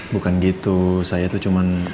bukan gitu saya tuh cuman